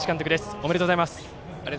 ありがとうございます。